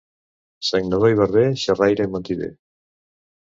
Sagnador i barber, xerraire i mentider.